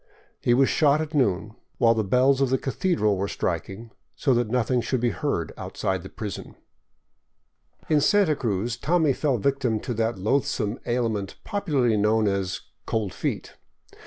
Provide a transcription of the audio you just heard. He was shot at noon, while the bells of the cathedral were striking, so that nothing should be heard outside the prison. 558 LIFE IN THE BOLIVIAN WILDERNESS In Santa Cruz Tommy fell victim to that loathsome ailment popu larly known as " cold feet."